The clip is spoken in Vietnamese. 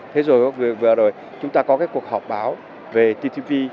thế rồi vừa rồi chúng ta có cái cuộc họp báo về ttp